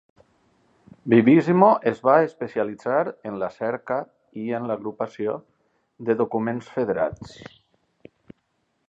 Vivisimo es va especialitzar en la cerca i en l'agrupació de documents federats.